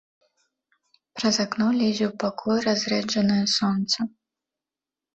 Праз акно лезе ў пакой разрэджанае сонца.